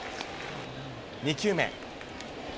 ２球目。